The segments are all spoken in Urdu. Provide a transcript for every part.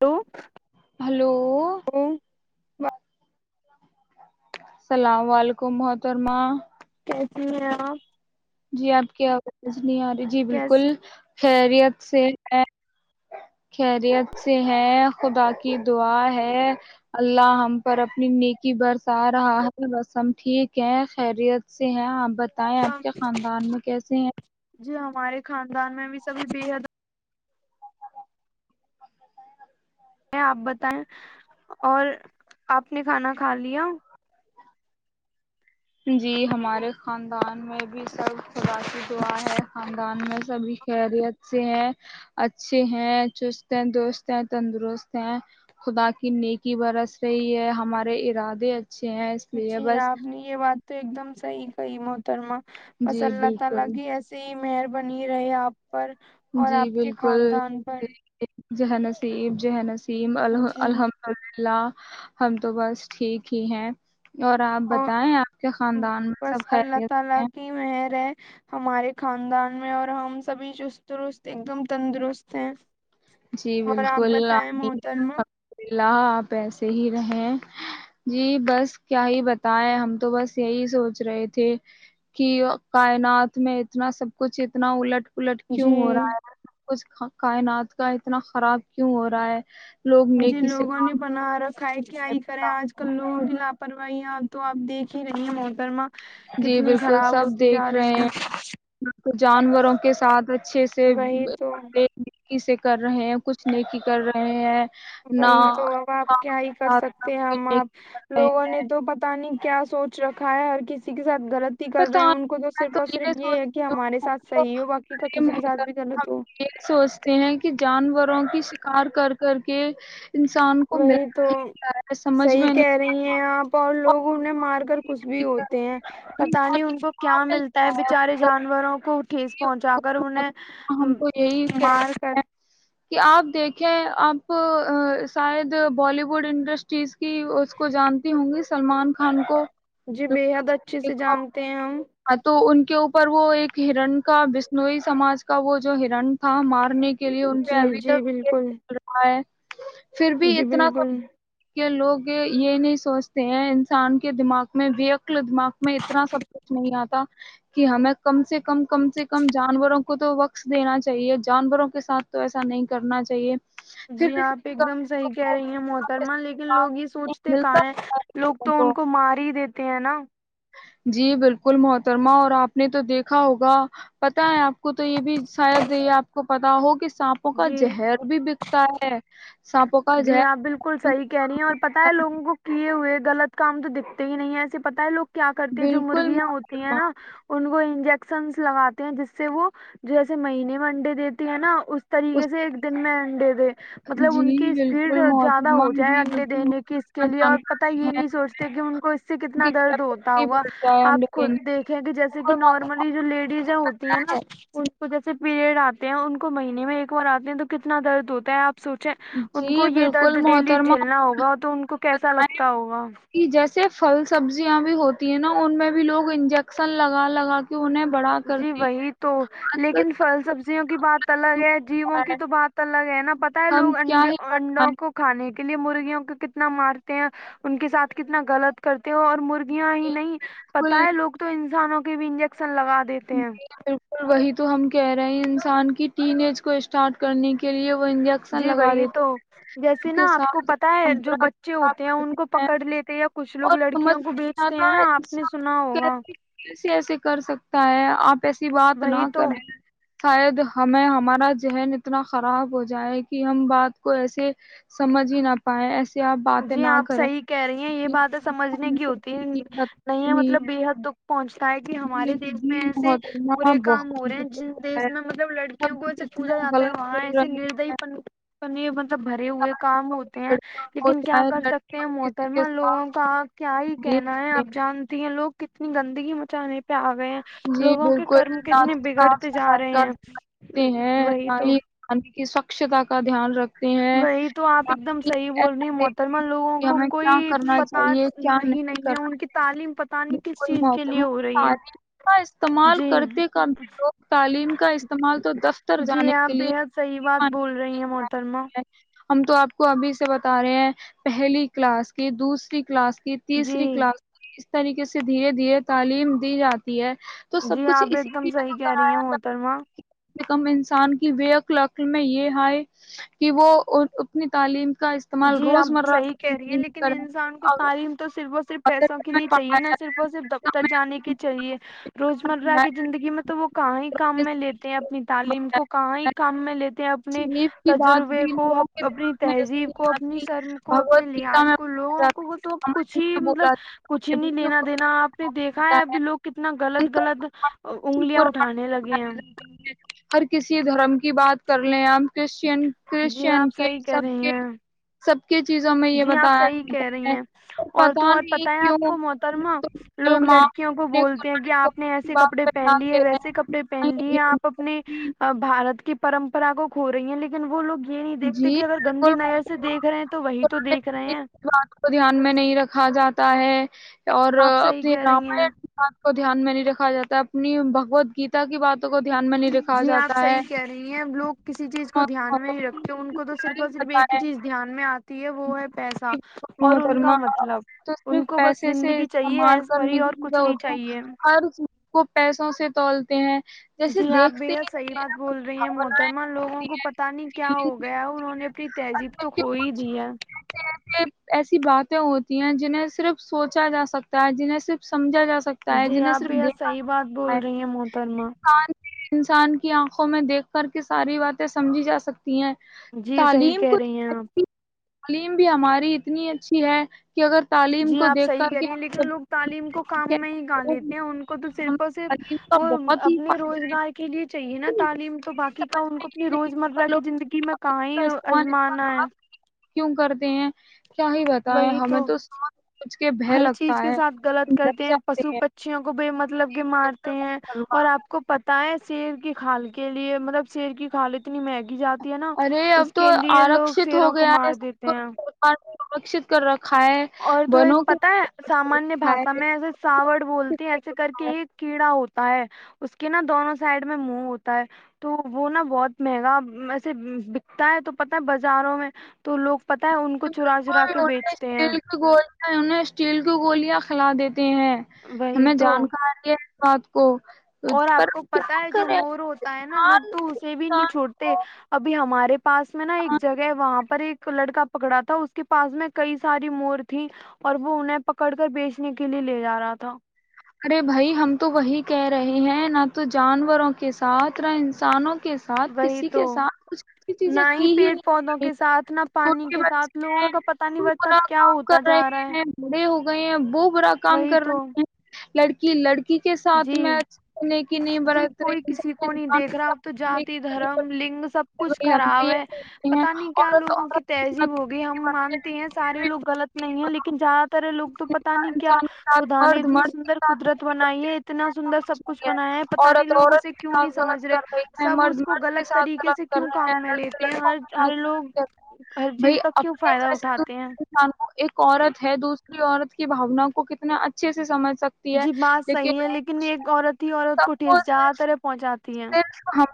ہلو ہلو ہ السلام ععلیکم محترما ایسی ہیں آپ جی آپ کے نہیں آاری جی بالکل کیسی خیریت سے ہے خیریت سے ہے خدا کی دعا ہے اللہ ہم پر اپنی نیکی برس آ رہا ہے بس ہم ٹھیک ہے خیریت سے ہے بتائیں آپ کیا خاندان میں کیسے ہیں جی ہمارے خاندان میں بھی سبھی بے حد آپ بتائیں اور آپ نے کھانا کھا لیا جی ہمارے خاندان میں بھی سب خاش دعا ہے خاندان میں سبھی خیریت سے ہیں اچھے ہیں چست ہیں دوست ہیں تندرست ہیں خدا کی نیکی برس رہی ہے ہمارے ارادے اچھے ہیں اس لیے جی بس آپ نے یہ بات تو ایک دم سحی کئی مترم بس جی اللہ تعالی بالکل کی ایسی ہی میئر بنی رہے آپ پر اور جی آپ کے بالکل خاندان پر جہ نصیب جہ نسی یم ال جی الحمد ال للہہ ہم تو بس ٹھیک ہی ہیں اور آپ اور بتائیں آپ کے خاندان میں سب بس اللہ خیریت تعالی ہیں کی مہر ہے ہمارے خاندان میں اور ہم سبھی چسترست ایک دم تندرست ہیں جی اور آپ بالکل بتائیں محترمہ اللہ آپ ایسے ہی رہے جی بس کیا ہی بتائے ہم تو بس یہی سوچ رہے تھے کہ کائنات میں اتنا سب کچھ اتنا الٹ پلٹ کیوں ہو جی رہا ہے کچھ کائنات کا اتنا خراب کیوں ہو رہا ہے لوگ جی نیکی سے لگوں نے کام بنر کائی کیا ہی نہیں کریں پتا۔ آج کل لوگ بھی لاپر بھائی یہاں تو آپ دیکھ ہی رہی ہیں محکرما جی بالکل سب دیکھ رہے ہیں جانوروں کے ساتھ اچھے سے وہی تو کس سے کر رہے ہیں کچھ نہیں کی کر رہے ہیں نہ وہی تو اب آپ کیا ہی کر ساتھ نہ سکتے ہیں کوئی ہم نیکی کر آپ رہے لوگوں ہیں نے تو پت نہیں کیا سوچ رکھا ہے ہر کسی کے ساتھ غلط ہی کر پتہ رہے ہیں ان کو نہیں تو میں صرف اور صرف یہ ہے کہ سوچتی ہمارے ہوں سھ کہ صحیح ہو باقی کا کسی ہمارے کے ساتھ بھی محترم غلط ہو ہم یہ سوچتے ہیں جانوروں کی شکار کر کر کے انسان کو مل وہی تو ہے سمجھ میں صحیح نہیں کہہ رہی ہیں آپ آتا لوگ اور پت نہیں ان کو کیا ملتا ہے بچارے جانوروں کو ٹھیس پہنچا کر انہیں ہم کو یہی مار کر کہتے ہیں کہ آپ دیکھیں آپ شاید بالی ووڈ انڈسٹریز کی اس کو جانتی ہوں گی سلمان خان کو جی بےحد اچھے سے دیکھا جانتے ہیں ہم ہاں تو ان کے اوپر وہ ایک ہرن کا بسنوئی سماج کا وہ جو ہرن تھا مار کرنے کے لیے ان پہ جی ابھی جی تک بالکل چل رہا ہے پھر بھی جی اتنا بالکل کہ لوگ یہ نہیں سوچتے ہیں انسان کے دماغ میں وکل دماغ میں اتنا سب کچھ نہیں آتا کہ ہمیں کم سے کم کم سے کم جانوروں کو تو وقص دینا چاہیے جانوروں کے ساتھ تو ایسا نہیں کرنا چاہیے پھر جی بھی آپ ملتا ایک دم صحیح کہہ رہی ہیں محترما لیکن لوگ یہ سوچتے کہ ہے لوگ تو ان کو مار ہی دیتے ہیں نا جی بالکل محترمہ اور آپ نے تو دیکھا ہوگا پتا ہے آپ کو تو یہ بھی شاید یہ آپ کو پتا وہ کس سانپوں کا جی زہر بھی بکتا ہے سانپوں کا جی زہر آپ بالکل صحیح کہہ رہی ہیں اور پتہ ہے لوگوں کو کیے ہوئے غلط کام تو دکھتے ہی نہیں ہے ایسے پتا ہے لوگ کیا کرتی ہیں جو بالکل مرغیاں ہوتی ہیں محترمہ نا ان کو ن لگاتے ہیں جس سے وہ جے مہینے منڈے دیتے ہیں نا اس طریقے سے ایک دن میں مڈے د مطلب جی ان کہ اسپیڈ بالکل زیادہ محترمہ ہو جائے جی انڈے بالکل محترمہ دینے کی اس کے لیے اور پت جانکاری یہ ہے نہیں سوچتے کہ ان کو اس سے کتنا کہ کیا درد ہوتا کتنی ہوا بڑھتا ہے آپ انڈے خود دینے دیکھیں کہ جیسے کہ بالکل محترمہ نارملی جو لیڈیز ہوتی ہیں نا ہے ان کو جیسے پیریڈ ہیں ان کو مہینے میں ایک بار آتے ہیں تو کتنا درد ہوتا ہے آپ سوچیں ان کو جی یہ بالکل درد ڈیلی محترمہ جھیلنا ہوگا تو ان کو کیسا لگتا ہوگا کہ جیسے پھل سبزیاں بھی ہوتی ہیں نا ان میں بھی لوگ انجیکشن لگا لگا کے انہیں بڑا جی کرتے ہیں وہی تو آج لیکن کل فھل سبزی وں کی بات الگ کیوں ہے ہو جیووں رہا کی ہے، تو بات الگ ہے نا پت ہے ہم لوگ کیا انڈ ہی انڈوں بتائیں کو کھانے کی کے لیے مرغیوں کو کتنا مارتے ہیں ان کے ساتھ کتنا غلط کرتے ہو اور مرغیاں ہی گے۔ نہیں پتا بالکل ہے لوگ تو انسانوں بھی انجیکشن لگایا جی بالکل وہی تو تو ہم کہہ رہے ہیں انسان کی ٹین ایج کو اسٹارٹ کرنے کے لیے وہ انجیکشن جی لگا وہی تو دیتے ہیں جیسے اس نا کے آپ کو ساتھ پتا اتنا ہے جو برا بچے برتاؤ ہوتے ہیں ان کرتے کو ہیں پکڑ لیتے یا کچھ لوگ اور سمجھ لڑکیوں کو میں نہیں بیچتے ہیں آتا نا آپ نے انسان سنا ہوگا کیسے کیسے ایسے کر سکتا آپ ایسی بات نہ وہی تو کریں شاید ہمیں ہمارا ذہن اتنا خراب ہو جائے کہ ہم بات کو ایسے سمجھ ہی نہ پائے ایسے آپ باتیں جی نہ آپ کریں صحی کہہ رہی ہیں یہ باتیں سمجھنے کی ہوتی ہے نہیں مطلب بےحد دکھ پہنچتا ہے کہ جی ہمارے دیش جی میں ایسے محترمہ برے کام بہت ہو رہے ہیں جن دقت ہے دیش میں مطلب سب لڑکیوں کو ای سے پوچھا کتنا جاتا ہے غلط وہاں کر رہے ایسے ہیں نرد پن مطلب بھرے ہوئے چاہے کام ہوتے ہیں لڑکا ہو لیکن کیا چاہے کر لڑکی سکتے ہو ہیں کسی کے محترمہ لوگوں ساتھ کا کیا ہی نہیں کہنا ہے رہتے آپ جانتی ہیں لوگ کتنی گندگی مچانے پیاس جی بالکل نہ تو صاف بگڑتے جا صفائی کا رہے ہیں دھیان رکھتے ہیں وہی نہ تو ہی پانی کی سخ اکتا کا دھیان رکھتے ہیں وہی تو آپ ایک نہ دم ہی صحیح بول ایسا رہے محترمہ دیکھتے ہیں لوگوں کہ کو ہمیں کیا کوئی کرنا پتا چاہیے کیا نہیں نہیں ہے کرنا ان کی تعلیم پت ہے۔ نہیں کس بالکل چیز کے لیے محترمہ ہو رہی ہے تعلیم کا استعمال جی کرتے کا بھیوگ تعلیم کا استعمال تو دفتر جی جانے کے لیے کررما ہم تو آپ کو ابھی سے بتا رہے ہیں پہلی کلاس کی دوسری کلاس کی جی تیسری کلاس طریقے سے دھیرے دھیرے تعلیم دی جاتی تی ہے تو سب جی کچھ آپ ایک اسی دم لیے تو صحیح کہہ رہی کرایا ہیں جاتا محترما ہے کہ کم کم انسان کی بیق عقل میں یہ ہےئے کہ وہ اپنی تعلیم کا استعمال جی آپ روزمرہ صحیح کی کہہ رہی ہیں زندگی میں لیکن کریں انسان کو اور تعلیم تو صرف اور صرف اگر پیسوں کے لیے ہمیں چاہیے نہ پڑھایا صرف اور صرف دفتر جانے کی چاہیے روز مرہ کی جائے، زندگی میں تو وہ کہاں ہی کام میں لیتے ہیں اپنی تعلیم کو کہاں ہی کام میں لیتے ہیں اپنے سیپ کی بات تجربے بھی کو لوگوں کے اپنی دماغ میں ایسا تہذیب نہیں کو اپنی آتی شرم کو بھگوت اپنے گیتا لحاظ میں کو بولا جاتا لوگوں کو وہ ہے، تو رامائن کچھ ہی میں بولا مطلب جاتا کچھ ہے، ہی نہیں وشنو لینا دینا آپ نے دیکھا ہے ابھی لوگ کتنا ان غلط غلط کا انگلیاں اٹھانے لگے ہیں ہر کسی دھرم کی بات کر لیں آپ کرشچین جی کرسچین آپ کے صحیح کہہ سب رہی کے ہیں سب کے چیزوں میں یہ جی آپ بتایا صحیح کہہ جاتا رہی ہے ہیں اور تو پتا اور پت نہیں ہے کیوں آپ کو محترما لوگ مسلمان لڑکیوں کو اپنے بولتے ہیں کہ قرآن آپ کریم نے کی ایسے بات کپڑے پہ پہن دھیان لیے ہے دے ویسے کپڑے رہے پہن لی ہے آپ اپنے ہیں کی پرمپرا کو کھو رہی ہے لیکن وہ لو جی بالکل رہے ہیں تو وہی تو دیکھ رہے ہیں بات کو دھیان میں نہیں رکھا جاتا ہے اور آپ صحیح اپنے کہہ رہی ہیں رامائن سات کو دھیان میں نہیں رکھا جاتا اپنی بگوت گیتا کی بات جی آپ صحیح کہہ رہی ہیں لوگ کسی چیز کو دھیان میں ہی رکھتے ان کو تو صرف اور صرف ایک ہی ہے چیز دھیان میں آتی ہے وہ ہے پیسہ کہ اور ان کا محترمہ مطلب تو ان صرف کو بس پیسے سے زندگی چاہیے استعمال ایز کرنے بری کی اور چیزیں کچھ نہیں ہوتی چاہیے توولتے ہیں جیسے جی آپ بے دیکھتے ہی حد صحیح نہیں بات ہیں کچھ بول رہی ہیں بھاونائیں محترما لوگوں کو ملتی ہیں پتا نہیں کیا فیلنگ ہو گیا انہوں ملتی نے ہیں اپنی تہذیب تو اندر کے کھو ہی کچھ دی ہے ایسے ایسی باتیں ہوتی ہیں جنہیں صرف سوچا جا سکتا ہے جنہیں صرف سمجھ جا سکتا ہے جی جنہیں آپ صرف بےحد دیکھا صحیح جا بات سکتا ہے بول رہی ہیں محترما انسان انسان کی آنکھوں میں دیکھ کر کے ساری باتیں سمجھی جا سکتی ہیں جی صحیح تعلیم کہہ کو رہی ہیں آپ تعلیم بھی ہماری اتنی اچھی ہے کہ اگر تعلیم جی کو آپ دیکھ صحیح کر کے کریے لیکن لوگ تعلیم کو کام میں ہی کر ہم لیتے ہیں ان کو تو ہمیں صرف اور تعلیم صرف کا وہ بہت ہی اپنے فائدہ ہے روزگار کے لیے چاہیے نا لیکن یہ تعلیم تو باقی کا سمجھ ان میں کو یہ اپنی نہیں روز مرہ کہ کی لوگ ج زندگی میں کہ تعلیم ہی کا استعمال اتنا آزمانا ہے غلط کیوں کرتے ہیں کیا ہی بتائیں وہی تو ہمیں سمجھ سمجھ کے بھے ہر چیز لگتا کے ہے ساتھ غلط ڈر کرتے ہیں جاتے پشو پھوں کو ب مطلب کہ مارتے ہیں اور آپ کو پتا ہے شیر کی کھال کے لیے مطلب شیر کی کھالی اتنی مہنگی جاتی ہے نا ارے اب اس تو کے لیے لوگ آرکشت شیروں کو مار دیتے ہیں سرکت کر رکھ اور تو ایک پتا ہے سامانیہ باشا میں ایسے ساوڑ بولتی ہے آرکشت ایسے کر رکھا ہے کے ہی کیڑا ہوتا ہے اس کے نا دونوں سائڈ میں منہ ہوتا ہے تو وہ نا بہت مہنگا ویسے بکتا ہے تو پتہ ہے بازاروں میں تو لوگ پتا ہے ان کو چرا چرا بالکل کے انہیں بیچ اسٹیل کی گولیا انیں اسٹیل کی گوول کلا دیتے [unintelligible] ہیں وہی ہمیں تو جانکاری بات کو اور پر آپ کو کیا پتا ہے جو کرے مور ہوتا ہے نا لوگ انسان تو اسے بھی نہیں انسان چھوڑتے کو ابھی ہمارے پاس میں نا ایک جگہ ہے وہاں پر ایک لڑکا پکڑا تھا اس کے پاس میں کئی ساری مور تھی اور وہ انہیں پکڑ کر بیچنے کے لیے لے جا رہا تھا ارے بھائی ہم تو وہی کہہ رہے ہیں نہ تو جانوروں کے ساتھ نہ انسانوں کے ساتھ وہی کسی تو کے ساتھ کچھ اھی چیزیں نہ کی ہی پیڑ پودوں نہیں کے ساتھ نہ پانی کے ساتھ بچے لوگوں کا پتا نہیں بتا اپنا کیا کام ہوتا کر رہے جا رہا ہے ہیں بڑے ہو گئے ہیں بک [unintelligible] پورا کام وہی کر تو رہے ہیں لڑکی لڑکی کے ساتھ جی میں اچھی نیکی نہیں جی برت رہی کوئی ان کسی سب کو نہیں دیکھ رہا اب تو جات دھرم لنگ سب کچھ وہی ہم سے خراب یہ ہے کہتے ہیں پتا نہیں کیا عورت لوگوں کی عورت کے تہذیب ساتھ ہوگی نیکی ہم برتے مانتے لیکن ہیں پھر سارے بھی لوگ غلط نہیں ہے لیکن زیادہ تر لوگ تو پتا نہیں کیا انسان کے ساتھ خدا نے مرد اتنی مرد کے سندر ساتھ قدرت نیکی برتے بنائی ہے اتنا لیکن ایسا سندر سب کچھ نہیں بنایا ہے پتاہ نہیں عورت لوگ عورت اسے کے کیوں نہیں ساتھ سمجھ غلط رہے کر رہی ہے سب مرد اس کو مرد کے غلط ساتھ طریقے غلط سے کر کیوں رہے کام ہیں میں لڑکے لیتے ہیں لڑکوں ہر کے ساتھ ہر غلط کر لوگ رہے ہیں ہر چیز بھائی کا کیوں اپنے فائدہ جیسے اٹھاتے دوسرے ہیں انسان کو ایک عورت ہے دو عورت کی باونا کو کتنے اچھے سے سمج [unintelligible] جی بات صحیح ہے لیکن ایک عورت ہی عورت کو ٹھس جار طرح پہنچاتی ہے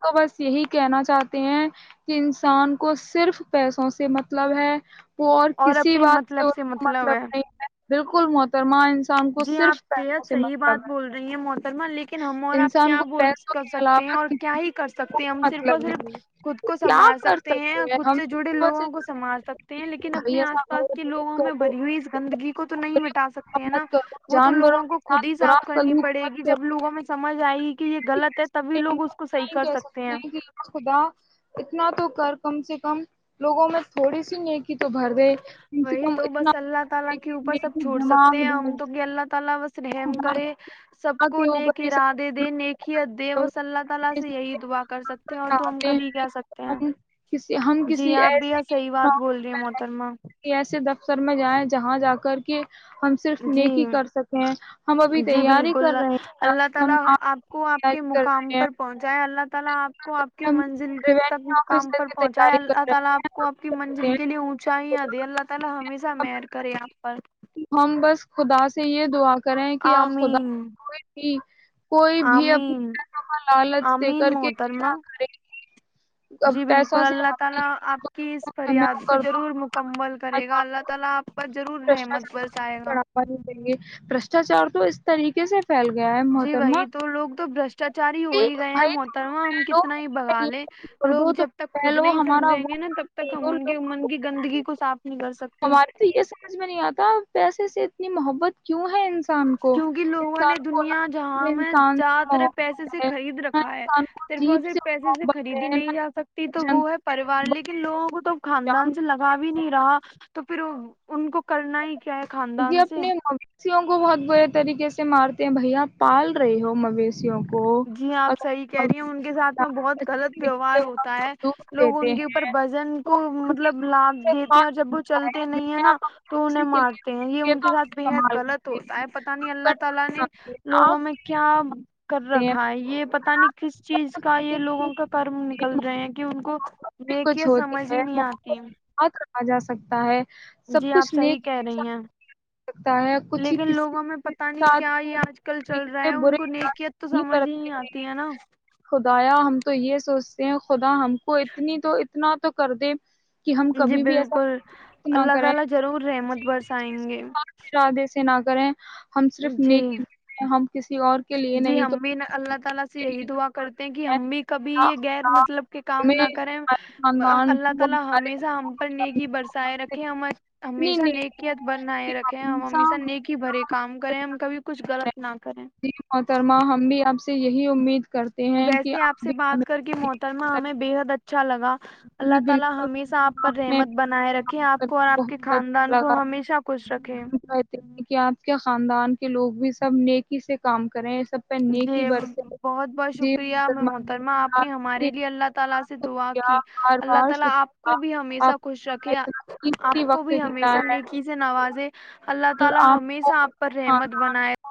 کو بس یہی کہنا چاہتے ہیں کہ انسان کو صرف پیسوں سے مطلب ہے وہ اور کسی بات سے اس کو مطلب نہیں ہے بالکل محترماں انسان کو جی آپ صرف پیسوں بےحد سے صحی مطلب بات بول رہی ہیں مو برما لیکن ہم اور ہے آپ انسان کیا کو بول پیسوں کر کے سکتے ہیں علاوہ اور کیا کسی ہی کر سے سکتے کوئی ہم صرف اور مطلب نہیں صرف ہے خود کو کیا سنوار کر سکتے ہیں خود ہم سے جڑے تو لوگوں بس کو سنھار سکتے ہیں لیکن اپنے بھیا آس صاحب پاس کے مدد لوگوں میں کرو بری ہوئی اس گندگی کو تو نہیں مٹا سکتے ہیں مت نا کرو وہ تو جانوروں لوگوں کے کو خود سات ہی برا صاف کرنی سلیت پڑے گی کرو جب لوگوں میں سمجھ آئے گ کہ یہ ٹھیک غلط ہے تبھی ہم لوگ اس کو صحیح نہیں کر کہہ سکتے ہیں کہ یا خدا اتنا تو کر کم سے کم لوگوں میں تھوڑی سی نیکی تو بھر دے کم سے وہی کم تو اتنا بس اللہ کر تعالی دے کے کہ اوپر سب نیکی چھوڑ سکتے دماغ ہیں دے ہم تو کہ اللہ تعالی رحم خدا کرے سب خدا کچھ کے انہیں اوپر کی یہ راہ دے نیکی دے سب مص اللہ تعالی سے یہی دعا کر سکتے ہیں اور تو ہم چاہتے ہیں کبھی کہہ سکتے کہ ہیں ہم کسی ہم جی کسی اپ بھی ایسے صحیح بات بول رہی ہیں ہاں سر میں جائیں جہاں جا کر کے ہم صرف جی نیک ہی کر سکے ہیں ہم ابھی جی تیاری کر بالکل رہے ہیں اللہ تعالی اپ کو اپ کے تیاری کر مقام رہے ہیں پر پہنچائے اللہ تعالی اپ کو اپ کی ہم منزل ریونیو مقام آفیسر پر کی پہنچائے تیاری کر اللہ تعالی اپ کو اپ کی رہے منزل ہیں کے لیے اونچایاں دے اللہ تعالی ہمیشہ خیر کرے اپ پر ہم بس خدا سے یہ دعا کریں کہ آپ خدا آمین ج کوئی بھی آمین اپنیاں لالچ دے آمین کر کے محترمہ نہ کرے گ جی بالکل اللہ تعالی کر اپ کے دو اس ہمیں فریاد وہ کو کر ضرور مکمل کرے گا دو اللہ تعالی اپ پر ضرور رحمت بشٹاچار برسائے گا بڑھاوا نہیں دیں گے بشٹاچار تو اس طریقے سے پھیل گیا ہے جی محترما وہی تو لوگ تو برشٹاچار ہی ہو کہ ہی گئے ہیں بھائی تم محترمہ ہم پہلو کتنا ہی بگا لے یہ کر لوگ دو تو جب تک خود پہلو نہیں ہمارا سمجھیں وہ گے نا تب کر تک ہم دو ان کے لوگوں امن کو کی پتہ گندگی نہیں۔ کو صاف نہیں کر سکتے ہمارے اپنی محبت کیوں ہے انسان کو کیونکہ لوگوں نے انسان کو دنیا نہ جہاں میں انسان جیادہ سے ترح پیسے سے محبت ہے خرید نہ رکھا ہے انسان کو صرف اور جیب صرف پیسے سے محبت خریدی ہے نہیں نہ جا سکتی تو وہ ہے جنتا سے پریوار محبت لیکن لوگوں کو تو ا ہے، جان خاندان سے لگا بھی نہیں محبت رہا تو پھر ان کو کرنا ہی کیا ہے جی خاندان سے اپنے مسیوں کو بہت برے طریقے سے مارتے ہیں بھیا پال رہے ہو مویشیوں کو جی آپ اگر صحیح کہہ رہی مویشی ہیں ان کے ساتھ میں بہت اچھے غلط طریقے سے ویوہار وہ آپ ہوتا کو ہے دودھ لوگ دیتے ان کے اوپر ہیں وزن وہ کو ان کے مطلب لھ دودھ سے دیتے ہیں اور پال جب وہ بنتا چلتے نہیں ہے جسے نا آپ اپنی تو انہیں کسی کے لیے مارتے اپنے یہ ان کے کھیتوں میں ساتھ بےحد استعمال غلط کرتے ہوتا ہیں ہے پتا نہیں اللہ آپ تعالا گننا نے بناتے ہیں، آگ لوگوں میں کے لیے کیا استعمال کر کرتے رکھ ہیں، یہ پتا پر نہیں کس آپ چیز کا کرتے یہ ہیں لوگوں کا کرم کہ نکل رہے ہیں کہ ان کو محبت بھی لیک کے سمجھ ہی نہیں آتی ا جا سکتا ہے سب جی آپ کچھ صحیح نیک کہہ رہی ہیں سکتا ہے کچھ ہی لیکن کسی لوگوں میں کے پتا نہیں ساتھ کیا یہ آج کل چل طریقے رہا سے ہے برے ان کو ارادے نکیت تو نہیں سمجھ ہی برتنے ہی چاہیے آتی ہے نا سے خدا ہم کو اتنی تو اتنا تو کر دے کہ ہم جی کبھی بھی ایسا بالکل کچھ نہ اللہ کریں تعالا ضرور رحمت برس سائیں گے خاص ارادے نہ کریں ہم صرف جی نیک ہم کسی اور کے لیے جی نہیں تو ہم بھی اللہ تعالا سے یہی دعا کرتے ہیں کہ اے ہم بھی کبھی یہ غیر خدا، مطلب کہ کام ہمیں نہ کریں ہمارے خاندان اللہ کو تعالا ہمارے ہمیشہ گھر کو، ہم پر نیکی ہم برسائے سے رکھے اتنی ہمیشہ نیکی نیکیا بنائے کہ رکھے ہم ہمیشہ نیک ہمارے ہی بھرے کام کریں ہم ساتھ کبھی کچھ غلط نہ کریں جی محترما ہم بھی آپ سے یہ ویسے آپ سے ہمیں بات کر کے محترمہ ہمیں بےحد اچھا لگا ج اللہ تعالی ہمیشہ آپ پر بالکل رحمت بنائے رکھے آپ کو اور بت آپ کے اچھا خاندان لگا کو ہمیشہ خوش ہم رکھے کہتے ہیں کہ آپ کے خاندان کے لوگ لوگ بھی سب نیکی سے کام کرے جی بہت بہت شکریہ میں محترمہ آپ نے ہمارے لیے اللہ تعالا سے دعا شکریہ بار اللہ بار تعالا آپ شکریہ کو بھی آپ ہمیشہ خوش نے ہمیں رکھے اتنا قیمتی آپ کو وقت بھی دیا ہمیشہ ہے نیکی سے نوازے اللہ تعالا آپ ہمیشہ کو آپ پر کے رحمت خاندان بنائے